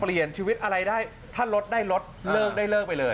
เปลี่ยนชีวิตอะไรได้ถ้ารถได้รถเลิกได้เลิกไปเลย